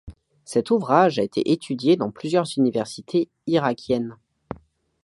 Cet ouvrage a été étudié dans plusieurs universités irakiennes.